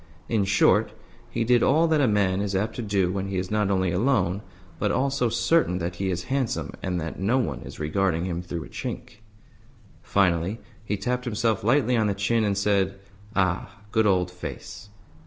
In short, he did all that a man is apt to do when he is not only alone, but also certain that he is handsome and that no one is regarding him through a chink. Finally he tapped himself lightly on the chin, and said, "Ah, good old face!"